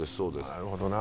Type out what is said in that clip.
なるほどな。